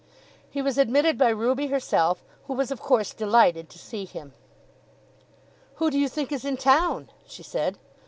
He was admitted by Ruby herself, who was of course delighted to see him. "Who do you think is in town?" she said.